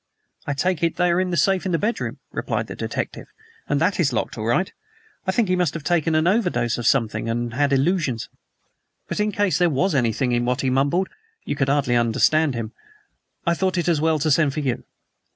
"I take it they are in the safe in his bedroom," replied the detective, "and that is locked all right. I think he must have taken an overdose of something and had illusions. But in case there was anything in what he mumbled (you could hardly understand him) I thought it as well to send for you."